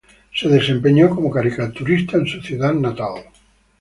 Se desempeñó como caricaturista en su ciudad natal.